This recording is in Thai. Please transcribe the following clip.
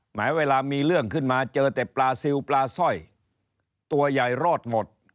แม้เวลามีเรื่องขึ้นมาเจอแต่ปลาซิลปลาสร้อยตัวใหญ่รอดหมด